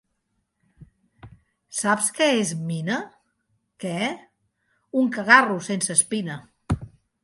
Saps què és mina? —Què? —Un cagarro sense espina!